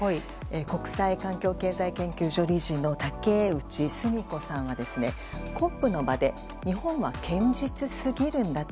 国際環境経済研究所理事の竹内純子さんはＣＯＰの場で日本は堅実すぎるんだと。